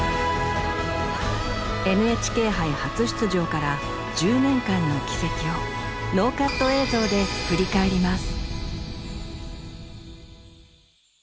ＮＨＫ杯初出場から１０年間の軌跡をノーカット映像で振り返ります。